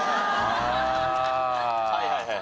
はいはいはいはい！